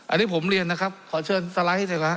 อันนี้ผมเรียนนะครับขอเชิญสไลด์เถอะครับ